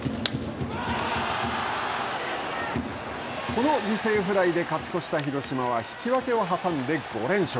この犠牲フライで勝ち越した広島は引き分けを挟んで５連勝。